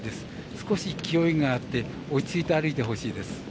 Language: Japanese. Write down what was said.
少し気負いがあって落ち着いて歩いてほしいです。